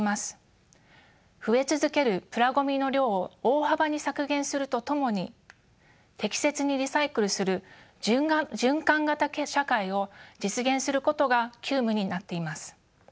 増え続けるプラごみの量を大幅に削減するとともに適切にリサイクルする循環型社会を実現することが急務になっています。